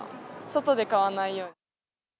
外で買わないように。